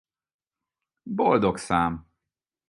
Boldog szám.